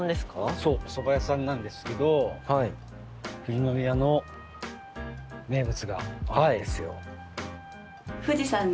そうおそば屋さんなんですけど富士宮の名物があるんですよ。